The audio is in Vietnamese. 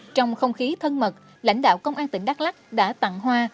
trong không khí thân mật lãnh đạo công an tỉnh đắk lắc đã tặng hoa